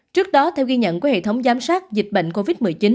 trước đó theo ghi nhận của hệ thống giám sát dịch bệnh covid một mươi chín